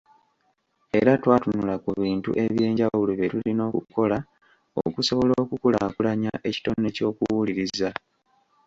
Era twatunula ku bintu eby’enjawulo bye tulina okukola okusobola okukulaakulanya ekitone ky’okuwuliriza.